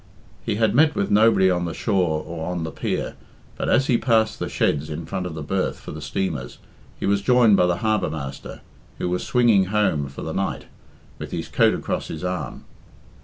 He had met with nobody on the shore or on the pier, but as he passed the sheds in front of the berth for the steamers he was joined by the harbour master, who was swinging home for the night, with his coat across his arm.